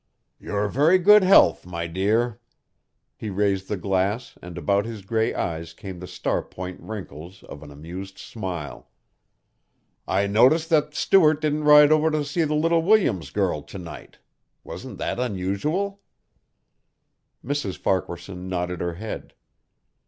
"Your very good health, my dear." He raised the glass and about his gray eyes came the star point wrinkles of an amused smile, "I noticed that Stuart didn't ride over to see the little Williams girl to night. Wasn't that unusual?" Mrs. Farquaharson nodded her head.